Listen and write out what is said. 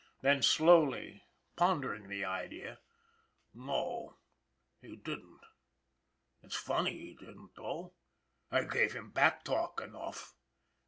Then slowly, pondering the idea :" No, he didn't. It's funny he didn't, though; I gave him back talk enough."